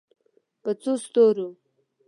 په څو ستورو